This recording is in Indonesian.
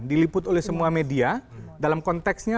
diliput oleh semua media dalam konteksnya